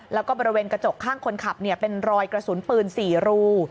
แล้วก็บริเวณกระจกข้างคนขับเป็นรอยกระสุนปืน๔รู